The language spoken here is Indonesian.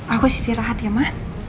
aku istirahat ya ma